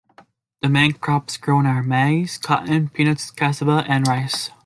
The main crops grown are maize, cotton, peanuts, cassava and rice.